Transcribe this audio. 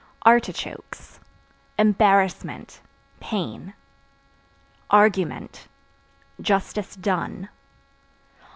Artichokes Embarrassment, pain. Argument Justice done.